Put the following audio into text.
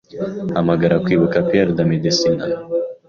Hamagara kwibuka Pier da Medicina